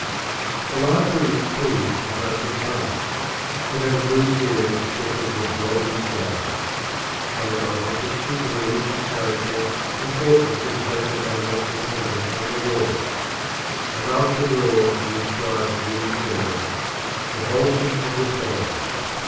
The library at Thebes was much admired. It had a blue ceiling speckled with golden stars. Allegorical pictures of a religious character and portraits of the sacred animals were painted on the walls. Above the door were inscribed these words, "The Balsam of the Soul."